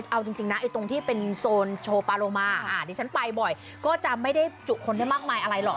เอาจริงนะไอ้ตรงที่เป็นโซนโชว์ปาโลมาดิฉันไปบ่อยก็จะไม่ได้จุคนได้มากมายอะไรหรอก